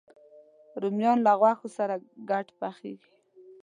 رومیان له غوښو سره ګډ پخېږي